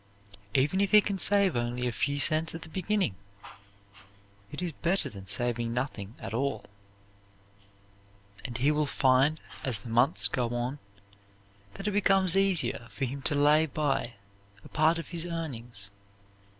"Even if he can save only a few cents at the beginning, it is better than saving nothing at all; and he will find, as the months go on, that it becomes easier for him to lay by a part of his earnings.